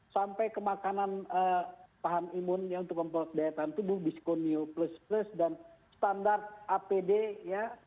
sampai ke makanan tahan imun yang untuk memperoleh kedaian tubuh biskut new plus plus dan standar apd ya